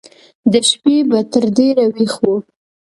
د شپې به تر ډېره ويښ و.